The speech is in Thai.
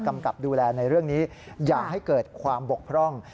กำกับดูแลในเรื่องนี้อย่าให้เกิดความบกพร่อง